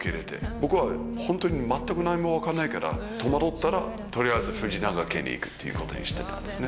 僕は本当に全く何も分からないから戸惑ったら取りあえず藤永家に行くっていうことにしてたんですね。